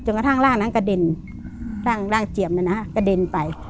จนกระทั่งร่างนั้นกระเด็นร่างร่างเจียมนี่นะฮะกระเด็นไป